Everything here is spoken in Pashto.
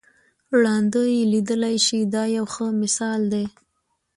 ړانده یې لیدلای شي دا یو ښه مثال دی.